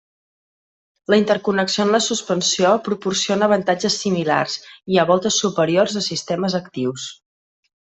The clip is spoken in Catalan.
La interconnexió en la suspensió proporciona avantatges similars, i a voltes superiors a sistemes actius.